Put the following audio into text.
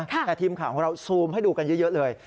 แต่ทีมข่าวของเราซูมให้ดูกันเยอะเลย